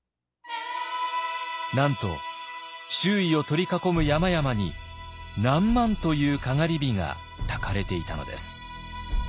なんと周囲を取り囲む山々に何万というかがり火がたかれていたのです。